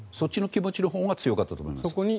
そっちの気持ちのほうが強かったと思います。